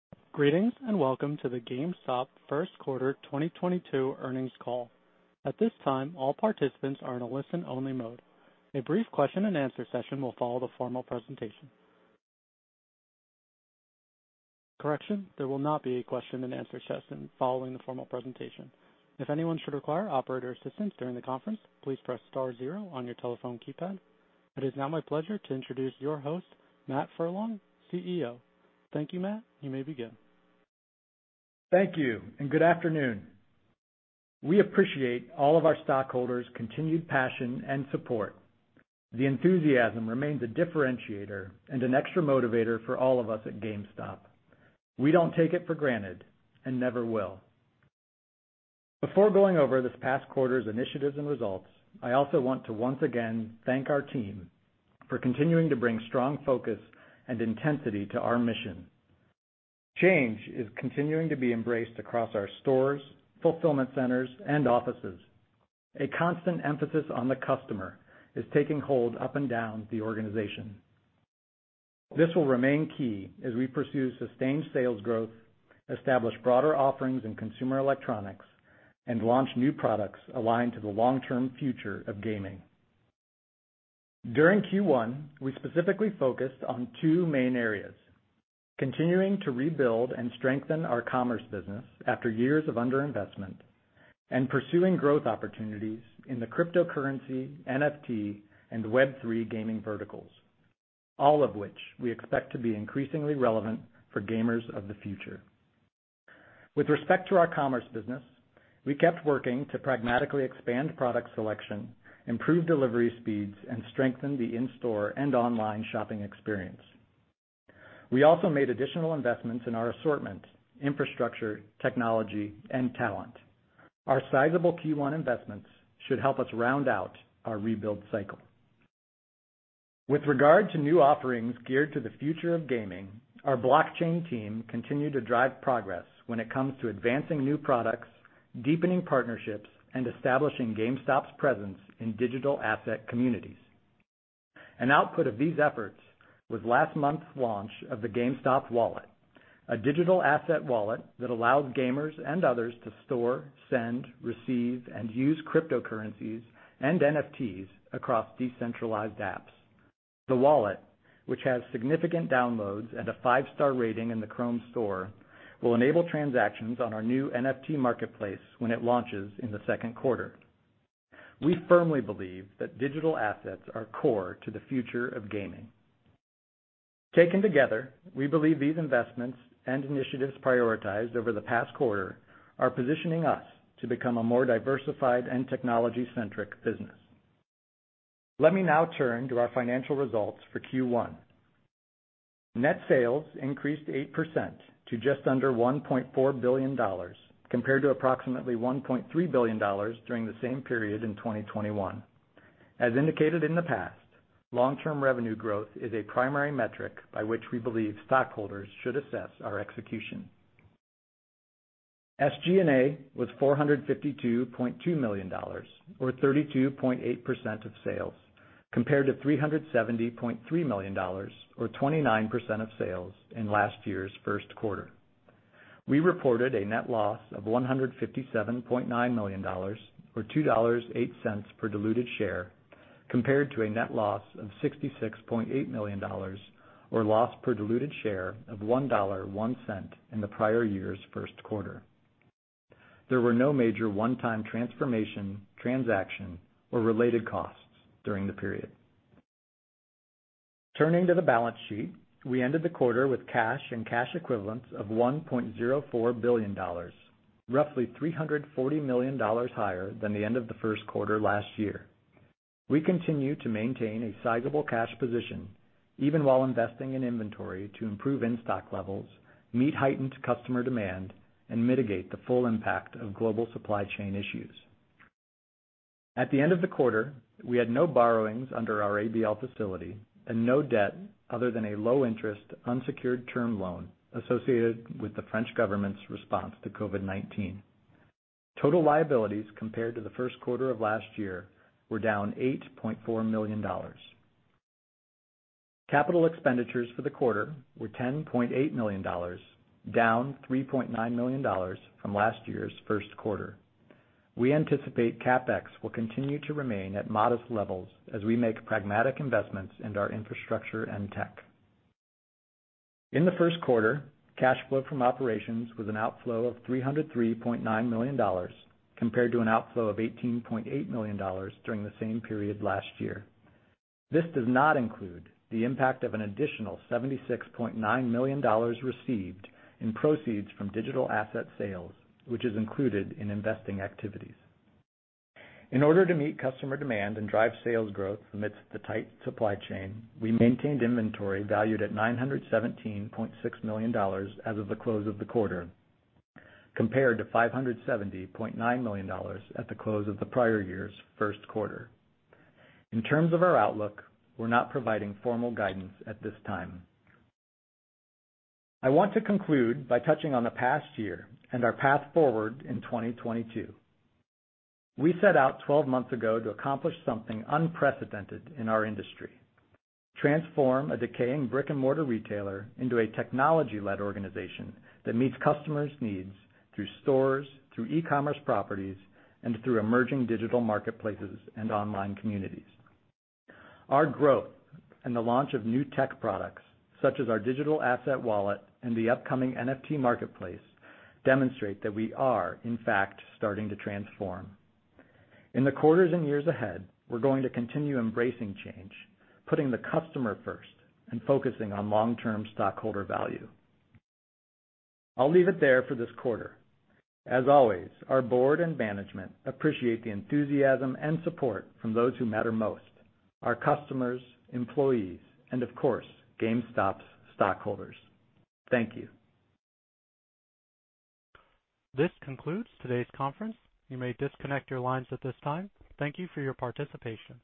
Greetings, and welcome to the GameStop first quarter 2022 earnings call. At this time, all participants are in a listen only mode. A brief question and answer session will follow the formal presentation. Correction, there will not be a question and answer session following the formal presentation. If anyone should require operator assistance during the conference, please press star zero on your telephone keypad. It is now my pleasure to introduce your host, Matt Furlong, CEO. Thank you, Matt. You may begin. Thank you, and good afternoon. We appreciate all of our stockholders' continued passion and support. The enthusiasm remains a differentiator and an extra motivator for all of us at GameStop. We don't take it for granted and never will. Before going over this past quarter's initiatives and results, I also want to once again thank our team for continuing to bring strong focus and intensity to our mission. Change is continuing to be embraced across our stores, fulfillment centers, and offices. A constant emphasis on the customer is taking hold up and down the organization. This will remain key as we pursue sustained sales growth, establish broader offerings in consumer electronics, and launch new products aligned to the long-term future of gaming. During Q1, we specifically focused on two main areas. Continuing to rebuild and strengthen our commerce business after years of underinvestment. Pursuing growth opportunities in the cryptocurrency, NFT, and Web3 gaming verticals, all of which we expect to be increasingly relevant for gamers of the future. With respect to our commerce business, we kept working to pragmatically expand product selection, improve delivery speeds, and strengthen the in-store and online shopping experience. We also made additional investments in our assortment, infrastructure, technology, and talent. Our sizable Q1 investments should help us round out our rebuild cycle. With regard to new offerings geared to the future of gaming, our blockchain team continued to drive progress when it comes to advancing new products, deepening partnerships, and establishing GameStop's presence in digital asset communities. An output of these efforts was last month's launch of the GameStop Wallet, a digital asset wallet that allows gamers and others to store, send, receive, and use cryptocurrencies and NFTs across decentralized apps. The wallet, which has significant downloads and a five star rating in the Chrome Web Store, will enable transactions on our new NFT marketplace when it launches in the second quarter. We firmly believe that digital assets are core to the future of gaming. Taken together, we believe these investments and initiatives prioritized over the past quarter are positioning us to become a more diversified and technology-centric business. Let me now turn to our financial results for Q1. Net sales increased 8% to just under $1.4 billion compared to approximately $1.3 billion during the same period in 2021. As indicated in the past, long-term revenue growth is a primary metric by which we believe stockholders should assess our execution. SG&A was $452.2 million, or 32.8% of sales, compared to $370.3 million, or 29% of sales, in last year's first quarter. We reported a net loss of $157.9 million, or $2.08 per diluted share, compared to a net loss of $66.8 million, or loss per diluted share of $1.01 in the prior year's first quarter. There were no major one-time transformation, transaction, or related costs during the period. Turning to the balance sheet, we ended the quarter with cash and cash equivalents of $1.04 billion, roughly $340 million higher than the end of the first quarter last year. We continue to maintain a sizable cash position, even while investing in inventory to improve in-stock levels, meet heightened customer demand, and mitigate the full impact of global supply chain issues. At the end of the quarter, we had no borrowings under our ABL facility and no debt other than a low-interest unsecured term loan associated with the French government's response to COVID-19. Total liabilities compared to the first quarter of last year were down $8.4 million. Capital expenditures for the quarter were $10.8 million, down $3.9 million from last year's first quarter. We anticipate CapEx will continue to remain at modest levels as we make pragmatic investments into our infrastructure and tech. In the first quarter, cash flow from operations was an outflow of $303.9 million compared to an outflow of $18.8 million during the same period last year. This does not include the impact of an additional $76.9 million received in proceeds from digital asset sales, which is included in investing activities. In order to meet customer demand and drive sales growth amidst the tight supply chain, we maintained inventory valued at $917.6 million as of the close of the quarter, compared to $570.9 million at the close of the prior year's first quarter. In terms of our outlook, we're not providing formal guidance at this time. I want to conclude by touching on the past year and our path forward in 2022. We set out 12 months ago to accomplish something unprecedented in our industry, transform a decaying brick-and-mortar retailer into a technology-led organization that meets customers' needs through stores, through e-commerce properties, and through emerging digital marketplaces and online communities. Our growth and the launch of new tech products, such as our digital asset wallet and the upcoming NFT marketplace, demonstrate that we are, in fact, starting to transform. In the quarters and years ahead, we're going to continue embracing change, putting the customer first, and focusing on long-term stockholder value. I'll leave it there for this quarter. As always, our board and management appreciate the enthusiasm and support from those who matter most, our customers, employees, and of course, GameStop's stockholders. Thank you. This concludes today's conference. You may disconnect your lines at this time. Thank you for your participation.